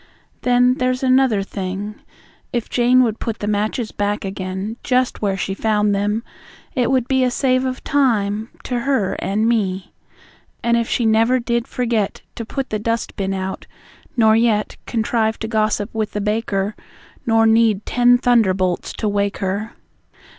Then, there's another thing. If Jane Would put the matches back again Just where she found them, it would be A save of time to her and me. And if she never did forget To put the dustbin out; nor yet Contrive to gossip with the baker, Nor need ten thunderbolts to wake her.